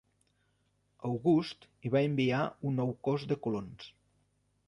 August hi va enviar un nou cos de colons.